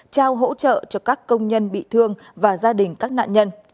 trao hỗ trợ cho các công nhân bị thương và gia đình các nạn nhân